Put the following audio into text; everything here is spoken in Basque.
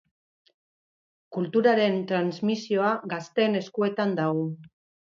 Kulturaren transmisioa gazteen eskuetan dago.